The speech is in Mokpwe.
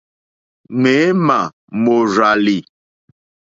Ŋměmà mòrzàlì.